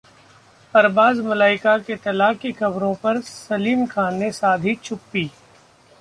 अरबाज-मलाइका के तलाक की खबरों पर सलीम खान ने साधी चुप्पी